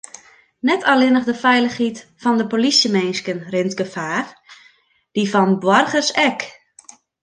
Net allinnich de feilichheid fan de polysjeminsken rint gefaar, dy fan boargers ek.